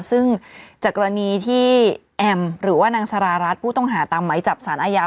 ซึ่งจากกรณีที่แอมหรือว่านางสารารัฐผู้ต้องหาตามไหมจับสารอาญา